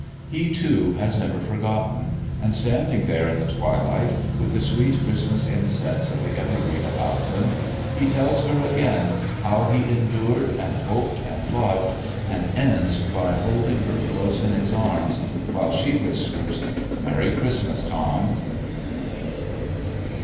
He, too, has never forgotten, and, standing there in the twilight, with the sweet Christmas incense of the evergreen about them, he tells her again how he endured, and hoped, and loved, and ends by holding her close in his arms, while she whispers, "Merry Christmas, Tom!"